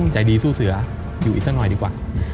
ใจดีสู้เสืออยู่อีกสักหน่อยดีกว่า